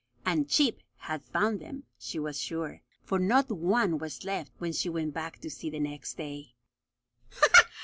And Chip had found them, she was sure, for not one was left when she went back to see, the next day.